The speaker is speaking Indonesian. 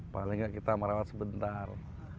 paling nggak kita merawat sebentar